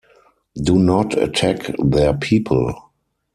Do not attack their people.